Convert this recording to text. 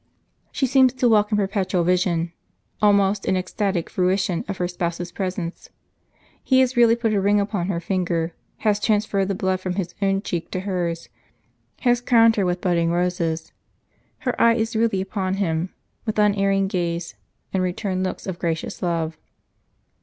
She seems to walk in perpetual vision, almost in ecstatic fruition, of her Spouse's presence. He has actually put a ring upon her finger, has transferred the blood from His own cheek to hers, has crowned her with budding roses. Her eye is really upon him, with unerring gaze, and returned looks of gracious love.